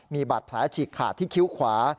มีบาดแผลฉีกขาดที่คิ้วขวา